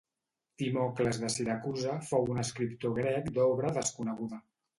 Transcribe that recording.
Timocles de Siracusa fou un escriptor grec d'obra desconeguda.